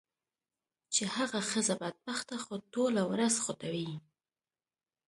چې هغه ښځه بدبخته خو ټوله ورځ خوټوي.